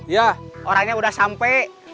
ya orangnya sudah sampai